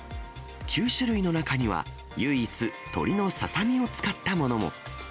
９種類の中には、唯一、鶏のささみを使ったものも。